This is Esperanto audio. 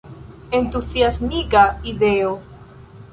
Entuziasmiga ideo….